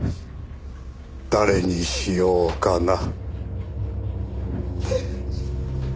誰にしようかな？